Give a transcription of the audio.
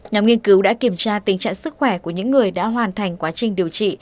nhóm nghiên cứu đã kiểm tra tình trạng sức khỏe của những người đã hoàn thành quá trình điều trị